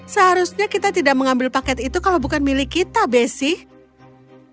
seharusnya kita tidak mengambil paket itu kalau bukan milik kita besi